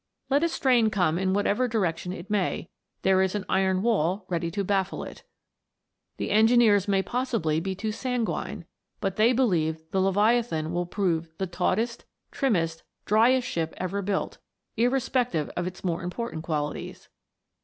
Let a strain come in whatever direction it may, there is an iron wall ready to baffle it. The engineers may possibly be too sanguine, but they believe the Leviathan will prove the taughtest, trim mest, driest ship ever built, irrespective of its more important qualities.